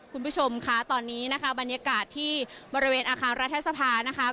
คุณผู้ชมค่ะตอนนี้นะคะบรรยากาศที่บริเวณอาคารรัฐสภานะคะ